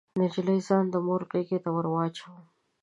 نجلۍ ځان د مور غيږې ته ور واچاوه.